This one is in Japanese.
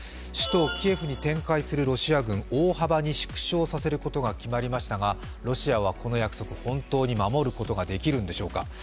首都キエフに展開するロシア軍、大幅に縮小させることが決まりましたがロシアはこの約束、本当に守ることができるのでしょうか。